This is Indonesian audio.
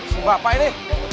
si bapak ini